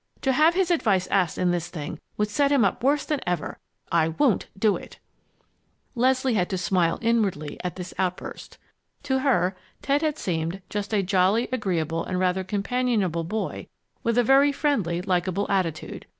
To have his advice asked in this thing would set him up worse than ever. I won't do it!" Leslie had to smile inwardly at this outburst. To her, Ted had seemed just a jolly, agreeable, and rather companionable boy, with a very friendly, likable attitude.